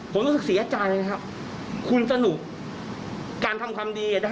ผมรู้สึกเสียใจครับคุณสนุกการทำความดี